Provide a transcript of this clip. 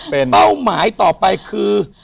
เป้าหมายต่อไปคือ